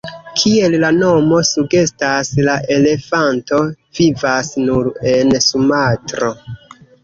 Kiel la nomo sugestas, la elefanto vivas nur en Sumatro.